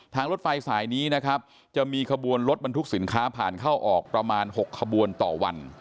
รถไฟสายนี้นะครับจะมีขบวนรถบรรทุกสินค้าผ่านเข้าออกประมาณ๖ขบวนต่อวัน